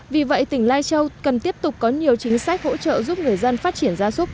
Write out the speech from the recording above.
vì vậy tỉnh lai châu cần tiếp tục có nhiều chính sách hỗ trợ giúp người dân phát triển gia súc